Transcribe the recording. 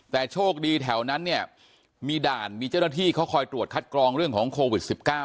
แต่โชคดีแถวนั้นเนี่ยมีด่านมีเจ้าหน้าที่เขาคอยตรวจคัดกรองเรื่องของโควิด๑๙